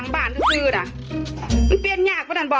อันมันง่ายอยู่ที่นี่